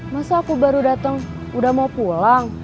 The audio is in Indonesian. masa aku baru datang udah mau pulang